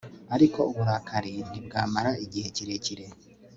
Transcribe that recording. ariko uburakari ntibwamara igihe kirekire